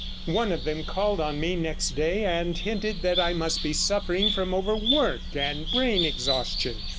One of them called on me next day, and hinted that I must be suffering from overwork and brain exhaustion.